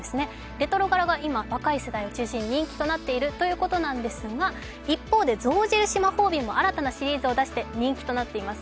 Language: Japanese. レトロ柄が今、若い世代に人気になっているということなんですが一方で象印マホービンも新たなシリーズを出して人気となっています。